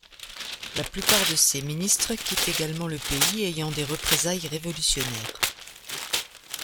La plupart de ses ministres quittent également le pays ayant des représailles révolutionnaires.